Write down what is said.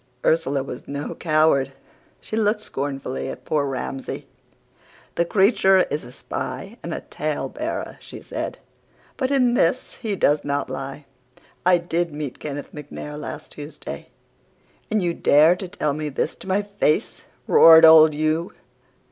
"Ursula was no coward. She looked scornfully at poor Ramsay. "'The creature is a spy and a tale bearer,' she said, 'but in this he does not lie. I DID meet Kenneth MacNair last Tuesday.' "'And you dare to tell me this to my face!' roared old Hugh.